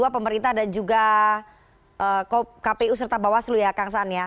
pemerintah dan juga kpu serta bawaslu ya kang saan ya